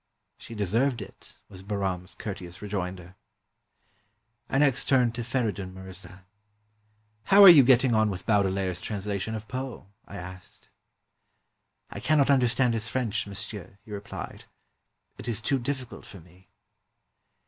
"She deserved it," was Bahram's courteous rejoinder. I next turned to Feridun Mirza. "How are you get ting on with Baudelaire's translation of Poe? " I asked. "I cannot understand his French, monsieur," he re plied; "it is too difficult for me."